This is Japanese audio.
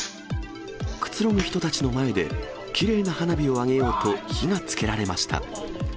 くつろぐ人たちの前で、きれいな花火を上げようと火がつけられました。